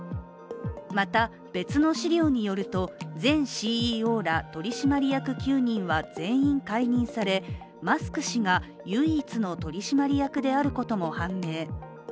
また、別の資料によりと、前ＣＥＯら取締役９人は全員解任され、マスク氏が唯一の取締役であることも判明。